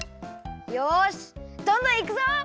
よしどんどんいくぞ！